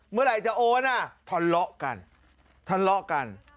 เมื่อไหร่จะโอนอ่ะทะเลาะกันทะเลาะกัน